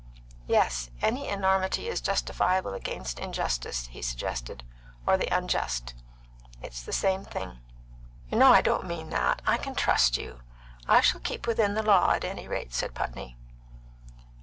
"Yes, any enormity is justifiable against injustice," he suggested, "or the unjust; it's the same thing." "You know I don't mean that. I can trust you." "I shall keep within the law, at any rate," said Putney.